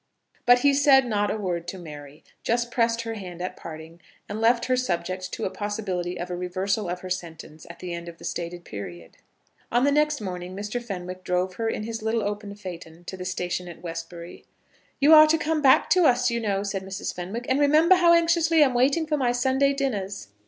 But he said not a word to Mary, just pressed her hand at parting, and left her subject to a possibility of a reversal of her sentence at the end of the stated period. On the next morning Mr. Fenwick drove her in his little open phaeton to the station at Westbury. "You are to come back to us, you know," said Mrs. Fenwick, "and remember how anxiously I am waiting for my Sunday dinners."